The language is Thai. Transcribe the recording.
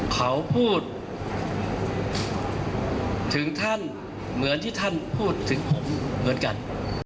เขาพูดถึงท่านเหมือนที่ท่านพูดถึงผมเหมือนกัน